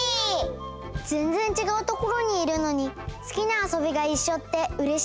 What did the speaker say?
ぜんぜんちがうところにいるのにすきなあそびがいっしょってうれしいな！